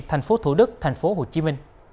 tp thủ đức tp hcm